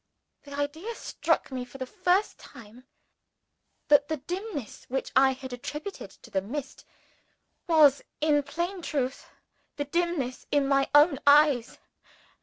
The idea struck me for the first time that the dimness which I had attributed to the mist, was, in plain truth, the dimness in my own eyes.